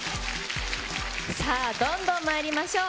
さあ、どんどんまいりましょう。